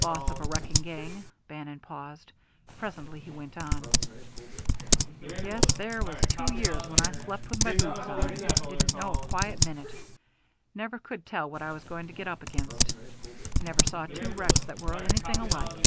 "Boss of a wrecking gang." Bannon paused. Presently he went on. "Yes, there was two years when I slept with my boots on. Didn't know a quiet minute. Never could tell what I was going to get up against. I never saw two wrecks that were anything alike.